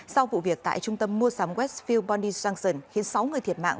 sau vụ việc tại trung tâm mua sắm westfield bondi junction khiến sáu người thiệt mạng